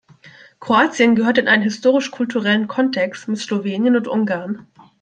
Kroatien gehört in einen historisch-kulturellen Kontext mit Slowenien und Ungarn.